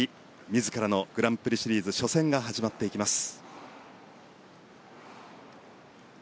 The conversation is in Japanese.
自らのグランプリシリーズ初戦が始まっていきます。